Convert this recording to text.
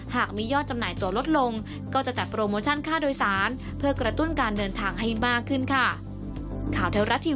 หากมียอดจำหน่ายตัวลดลงก็จะจัดโปรโมชั่นค่าโดยสารเพื่อกระตุ้นการเดินทางให้มากขึ้นค่ะ